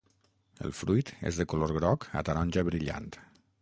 El fruit és de color groc a taronja brillant.